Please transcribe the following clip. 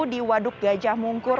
di waduk gajah mungkut